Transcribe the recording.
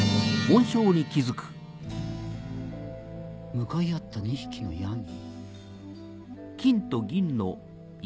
向かい合った２匹の山羊。